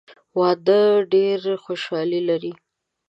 واده ډېره خوشحالي لري.